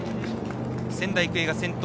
仙台育英が先頭。